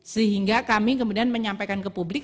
sehingga kami kemudian menyampaikan ke publik